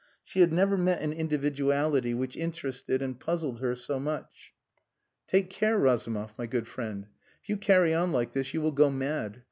She had never met an individuality which interested and puzzled her so much. "Take care, Razumov, my good friend. If you carry on like this you will go mad.